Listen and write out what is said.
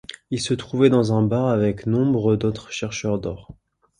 Ils se trouvaient dans un bar avec nombre d’autres chercheurs d’or.